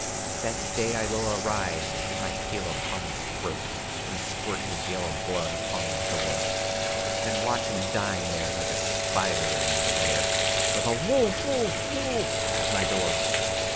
That day I will arise, put my heel upon his throat, And squirt his yellow blood upon the door; Then watch him dying there, like a spider in his lair, With a "Wolf, wolf, wolf!" at my door.